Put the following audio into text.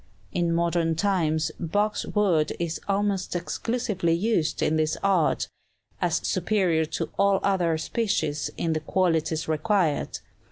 In modern times box wood is almost exclusively used in this art, as superior to all other species in the qualities required.